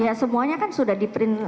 ya semuanya kan sudah di print